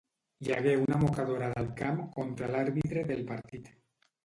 Hi hagué una mocadorada al camp contra l'àrbitre del partit.